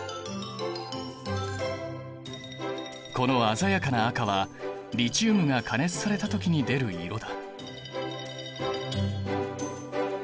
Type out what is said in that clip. この鮮やかな赤はリチウムが加熱された時に出る色だ。